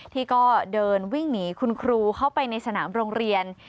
ที่ก็เดินวิ่งหนีคุณครูเข้าไปในสนามโรงเรียน